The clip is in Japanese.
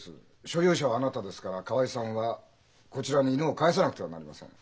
所有者はあなたですから河合さんはこちらに犬を返さなくてはなりません。